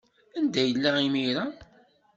Anda yella imir-a?